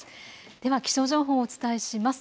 では気象情報をお伝えします。